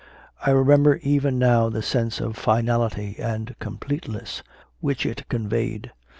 I remember even now the sense of finality and completeness which it conveyed.